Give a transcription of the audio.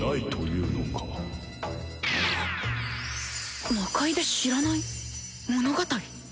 心の声魔界で知らない物語？